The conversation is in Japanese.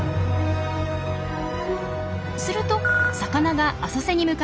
すると魚が浅瀬に向かっていきます。